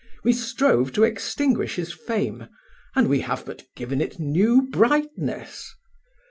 We strove to extinguish his fame, and we have but given it new brightness.